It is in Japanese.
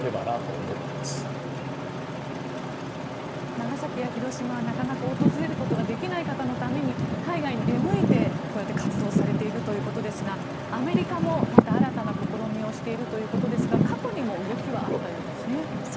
長崎や広島をなかなか訪れることができない方のために海外に出向いて、こうやって活動されているということですがアメリカもまた新たな試みをしているということですが過去にも動きはあったようですね。